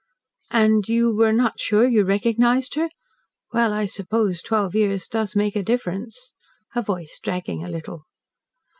"And you were not sure you recognised her? Well, I suppose twelve years does make a difference," her voice dragging a little.